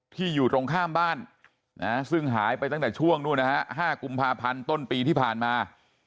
อยู่ตรงข้ามบ้านซึ่งหายไปตั้งแต่ช่วงนู้นนะฮะ๕กุมภาพันธ์ต้นปีที่ผ่านมา